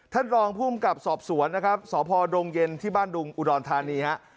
ท่านรองภูมิกับสอบสวนนะครับสพดงเย็นที่บ้านดุงอุดรธานีฮะ